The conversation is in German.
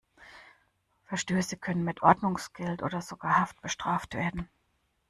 Verstöße können mit Ordnungsgeld oder sogar Haft bestraft werden.